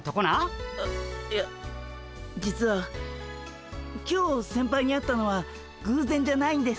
えいや実は今日先輩に会ったのはぐうぜんじゃないんです。